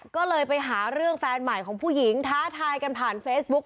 ก็เลยไปหาเรื่องแฟนใหม่ของผู้หญิงท้าทายกันผ่านเฟซบุ๊ค